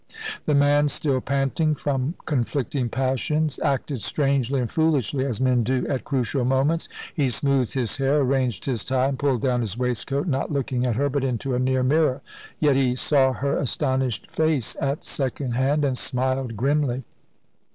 The man, still panting from conflicting passions, acted strangely and foolishly, as men do at crucial moments. He smoothed his hair, arranged his tie, and pulled down his waistcoat, not looking at her but into a near mirror. Yet he saw her astonished face at second hand, and smiled grimly.